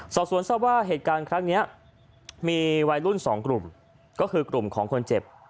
สอบสวนทราบว่าเหตุการณ์ครั้งนี้มีวัยรุ่น๒กลุ่มก็คือกลุ่มของคนเจ็บ